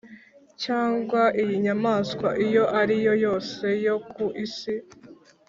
cyangwa iy’inyamaswa iyo ari yo yose yo ku isi,